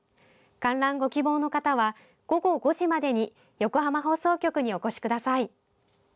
観覧ご希望の方は午後５時までに横浜放送局にお越しください。